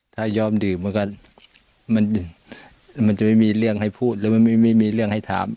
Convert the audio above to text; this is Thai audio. ถ้ายอมดื่มมันก็มันจะไม่มีเรื่องให้พูดแล้วมันไม่มีเรื่องให้ถาม